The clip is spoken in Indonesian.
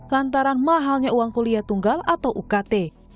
lantaran mahalnya uang kuliah tunggal atau ukt